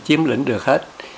chiếm lĩnh được hết